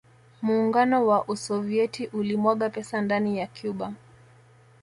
Muungano wa Usovieti ulimwaga pesa ndani ya Cuba